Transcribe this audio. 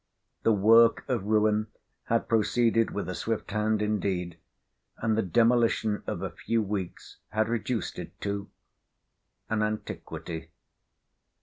The work of ruin had proceeded with a swift hand indeed, and the demolition of a few weeks had reduced it to—an antiquity.